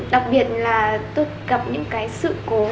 đặc biệt là tôi gặp những sự cố